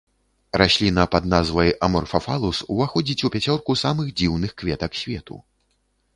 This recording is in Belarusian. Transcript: Расліна пад назвай аморфафалус уваходзіць у пяцёрку самых дзіўных кветак свету.